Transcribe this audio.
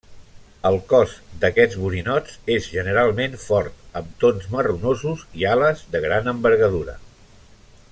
El cos d'aquests borinots és generalment fort, amb tons marronosos, i ales de gran envergadura.